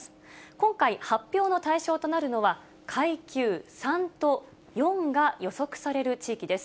今回、発表の対象となるのは、階級３と４が予測される地域です。